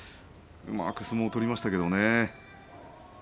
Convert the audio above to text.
うまく相撲を取りましたけどね。